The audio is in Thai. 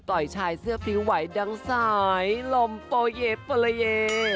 ยชายเสื้อพิ้วไหวดังสายลมโปเยโปลาเย